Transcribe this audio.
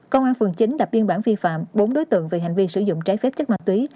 công an phường chín đập biên bản vi phạm bốn đối tượng về hành vi sử dụng trái phép chất ma túy